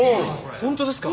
本当ですか？